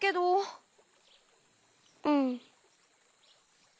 うん。